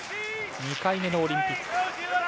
２回目のオリンピック。